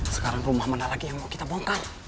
sekarang rumah mana lagi yang mau kita bongkal